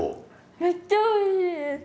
めっちゃおいしいです。